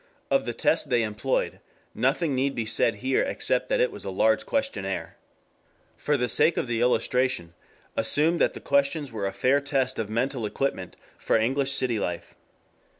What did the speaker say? Of the test they employed nothing need be said here except that it was a large questionnaire. For the sake of the illustration, assume that the questions were a fair test of mental equipment for English city life.